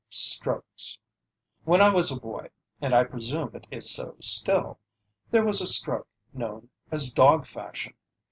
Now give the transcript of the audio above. STROKES When I was a boy, and I presume it is so still, there was a stroke known as "dog fashion."